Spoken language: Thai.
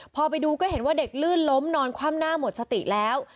พอไปดูก็เห็นว่าเด็กลื่นล้มนอนคว่ำหน้าหมดสติแล้ว